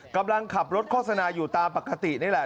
กำลังขับรถโฆษณาอยู่ตามปกตินี่แหละ